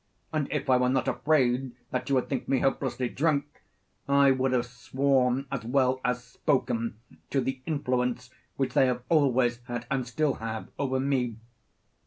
And if I were not afraid that you would think me hopelessly drunk, I would have sworn as well as spoken to the influence which they have always had and still have over me.